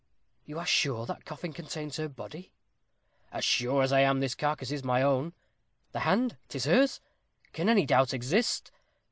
"You are sure that coffin contains her body?" "As sure as I am that this carcass is my own." "The hand 'tis hers. Can any doubt exist?"